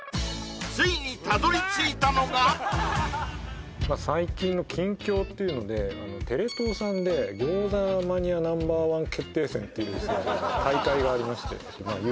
ついにたどりついたのが最近の近況っていうのでテレ東さんで「餃子マニアＮｏ．１決定戦」っていう大会がありまして優勝をしてきたりとかですね